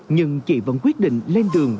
nhưng chị vẫn quyết định lên đường